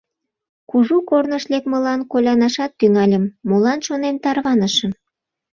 Кужу корныш лекмылан колянашат тӱҥальым: «Молан, шонем, тарванышым?